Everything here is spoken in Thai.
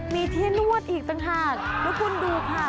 มีที่นวดอีกต่างหากแล้วคุณดูค่ะ